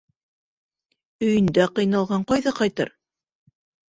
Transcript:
Өйөндә ҡыйналған ҡайҙа ҡайтыр?